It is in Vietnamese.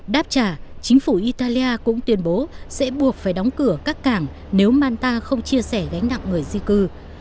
đáp trả chính phủ italia cũng tuyên bố sẽ buộc phải đóng cửa các cảng nếu manta không chia sẻ gánh nặng người di cư